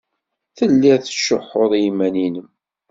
Telliḍ tettcuḥḥuḍ i yiman-nnem.